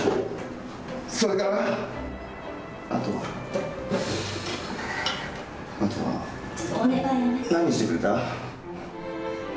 それからあとは何してくれた？